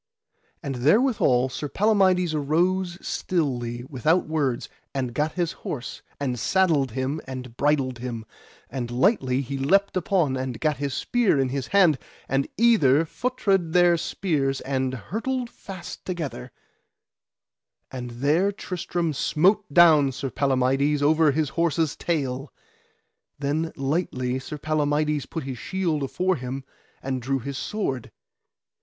And therewithal Sir Palamides arose stilly, without words, and gat his horse, and saddled him and bridled him, and lightly he leapt upon, and gat his spear in his hand, and either feutred their spears and hurtled fast together; and there Tristram smote down Sir Palamides over his horse's tail. Then lightly Sir Palamides put his shield afore him and drew his sword.